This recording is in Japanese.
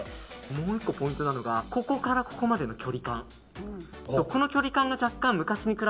もう１個ポイントなのがここからここまでの距離感。